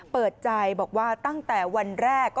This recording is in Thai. เปิดใจบอกว่าตั้งแต่วันแรก